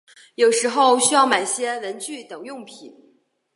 有时候需要买些文具等用品